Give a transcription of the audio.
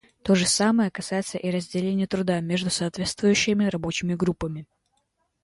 То же самое касается и разделения труда между соответствующими рабочими группами.